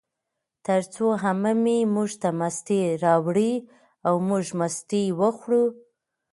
ترڅو عمه مې موږ ته مستې راوړې، او موږ مستې وخوړې